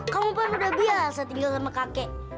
kamu pun udah biasa tinggal sama kakek